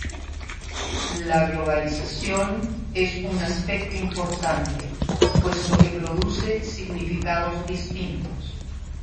La globalización es un aspecto importante, puesto que produce significados distintos.